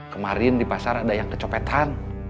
kemarin di pasar ada yang kecopetan